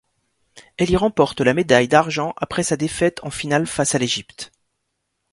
Elle y remporte la médaille d'argent après sa défaite en finale face à l'Égypte.